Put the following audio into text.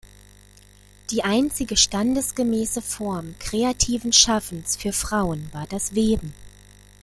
Die einzige standesgemäße Form kreativen Schaffens für Frauen war das Weben.